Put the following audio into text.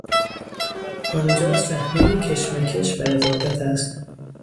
آنجا صحنهی کشمکش و رقابت است!